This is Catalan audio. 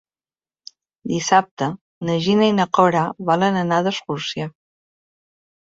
Dissabte na Gina i na Cora volen anar d'excursió.